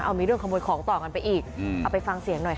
เอามีเรื่องขโมยของต่อกันไปอีกเอาไปฟังเสียงหน่อยค่ะ